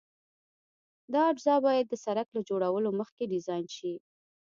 دا اجزا باید د سرک له جوړولو مخکې ډیزاین شي